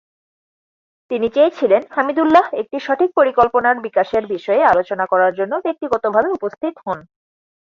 তিনি চেয়েছিলেন হামিদুল্লাহ একটি সঠিক পরিকল্পনার বিকাশের বিষয়ে আলোচনা করার জন্য ব্যক্তিগতভাবে উপস্থিত হন।